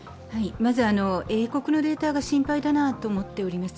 まず、英国のデータが心配だなと思っております。